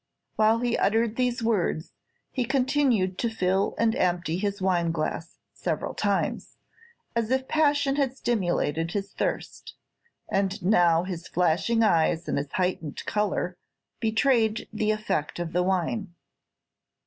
While he uttered these words, he continued to fill and empty his wine glass several times, as if passion had stimulated his thirst; and now his flashing eyes and his heightened color betrayed the effect of wine.